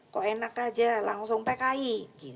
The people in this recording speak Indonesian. kok enak aja langsung pki